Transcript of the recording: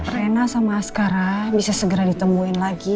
rena sama askara bisa segera ditemuin lagi